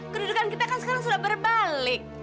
kedudukan kita kan sekarang sudah berbalik